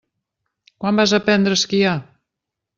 Quan vas aprendre a esquiar?